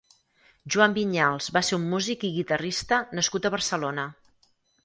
Joan Vinyals va ser un músic i guitarrista nascut a Barcelona.